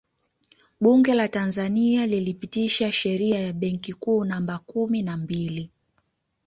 Bunge la Tanzania lilipitisha Sheria ya Benki Kuu Namba kumi na mbili